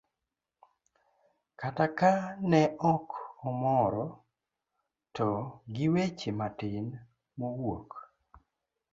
kata ka ne ok omoro; to gi weche matin mowuok.